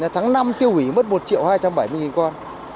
tháng năm tiêu hủy mất một triệu hai trăm bảy mươi con